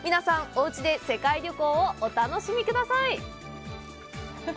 おうちで世界旅行をお楽しみください